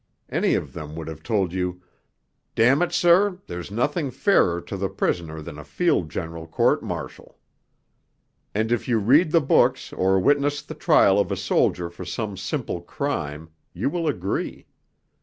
Any of them would have told you, 'Damn it, sir, there's nothing fairer to the prisoner than a Field General Court Martial'; and if you read the books or witness the trial of a soldier for some simple 'crime,' you will agree.